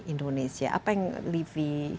indonesia apa yang livi